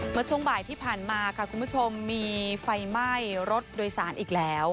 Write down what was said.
เมื่อช่วงบ่ายที่ผ่านมาค่ะคุณผู้ชมมีไฟไหม้รถโดยสารอีกแล้ว